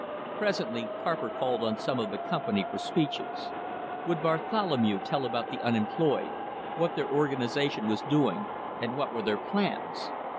Presently Carpenter called on some of the company for speeches. Would Bartholomew tell about the unemployed, what their organization was doing, and what were their plans?